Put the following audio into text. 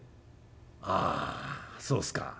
「ああそうすか。